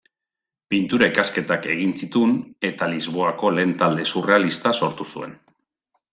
Pintura-ikasketak egin zituen, eta Lisboako lehen talde surrealista sortu zuen.